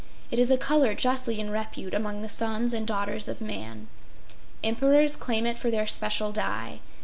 It is a color justly in repute among the sons and daughters of man. Emperors claim it for their especial dye.